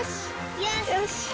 よし！